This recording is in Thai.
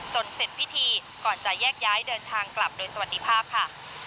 เสร็จพิธีก่อนจะแยกย้ายเดินทางกลับโดยสวัสดีภาพค่ะ